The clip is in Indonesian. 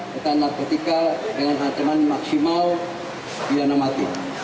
kita narkotika dengan ancaman maksimal sembilan mati